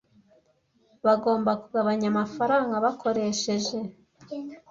Bagomba kugabanya amafaranga bakoresheje